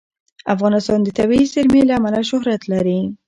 افغانستان د طبیعي زیرمې له امله شهرت لري.